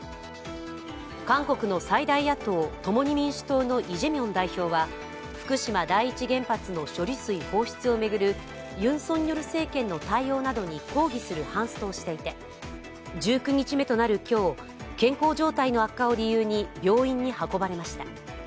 韓国の最大野党、共に民主党のイ・ジェミョン代表は福島第一原発の処理水放出を巡るユン・ソンニョル政権の対応などに抗議するハンストをしていて１９日目となる今日、健康状態の悪化を理由に病院に運ばれました。